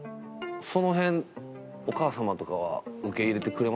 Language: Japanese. その辺お母様とかは受け入れてくれますか？